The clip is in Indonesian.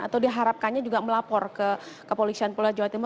atau diharapkannya juga melapor ke kepolisian polda jatim